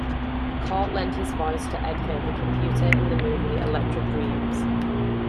Cort lent his voice to Edgar the computer in the movie Electric Dreams.